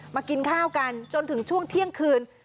มากินข้าวกันจนถึงช่วงเที่ยงคืน